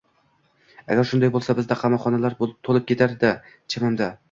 Agar shunday bo‘lsa, bizda qamoqxonalar to‘lib ketardi chamamda